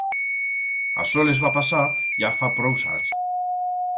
Asó les va pasar ya fa prous ans.